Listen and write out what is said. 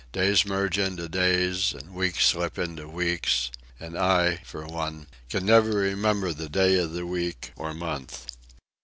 Days merge into days, and weeks slip into weeks, and I, for one, can never remember the day of the week or month.